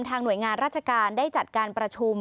หน่วยงานราชการได้จัดการประชุม